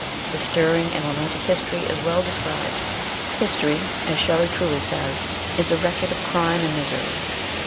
The stirring and romantic history is well described history, as Shelley truly says, is a record of crime and misery.